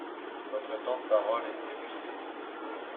Votre temps de parole est épuisé.